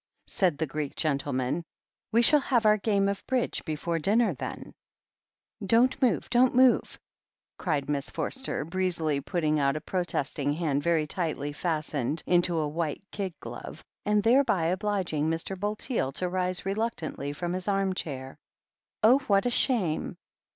said the Greek gentle man. "We shall have our game of Bridge before dm ner, then." "Don't move, don't move!" cried Miss Forster, breezily putting out a protesting hand very tightly fast ened into a white kid glove, and thereby obliging Mr. Bulteel to rise reluctantly from his arm chair. "Oh, what a shame